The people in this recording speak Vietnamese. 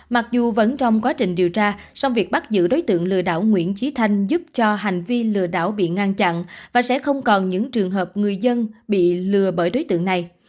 mặc dù vẫn trong quá trình điều tra song việc bắt giữ đối tượng lừa đảo nguyễn trí thanh giúp cho hành vi lừa đảo bị ngăn chặn và sẽ không còn những trường hợp người dân bị lừa bởi đối tượng này